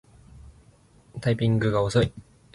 タイピングが遅い